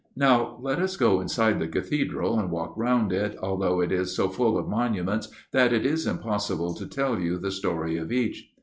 Now let us go inside the Cathedral, and walk round it, although it is so full of monuments that it is impossible to tell you the story of each.